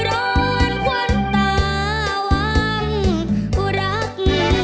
ร้อนควันตาวังอุรัก